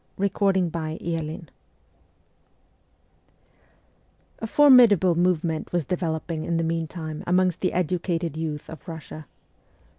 ST. PETERSBURG 83 XII A FORMIDABLE movement was developing in the meantime amongst the educated youth of Russia.